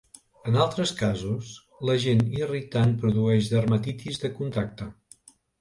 En altres casos, l'agent irritant produeix dermatitis de contacte.